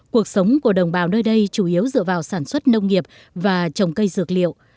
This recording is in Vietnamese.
cuộc sống của đồng bào nơi đây chủ yếu dựa vào sản xuất nông nghiệp và trồng cây dược liệu